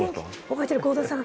覚えてる合田さん。